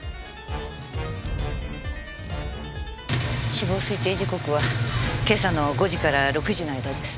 死亡推定時刻は今朝の５時から６時の間です。